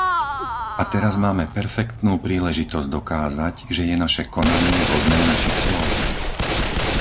A teraz máme perfektnú príležitosť dokázať, že je naše konanie hodné našich slov.